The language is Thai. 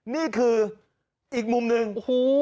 นี่คืออีกมุมหนึ่งโอ้โห